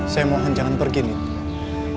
saya mohon jangan pergi nih